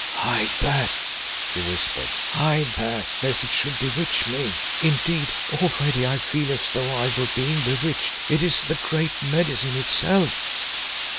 "Hide that!" he whispered, "hide that, lest it should bewitch me. Indeed, already I feel as though I were being bewitched. It is the Great Medicine itself."